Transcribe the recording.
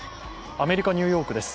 アメリカ・ニューヨークです。